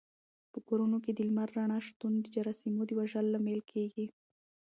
په کورونو کې د لمر د رڼا شتون د جراثیمو د وژلو لامل کېږي.